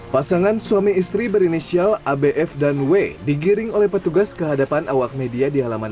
pasangan suami istri berinisial abf dan w digiring oleh petugas kehadapan awak media di halaman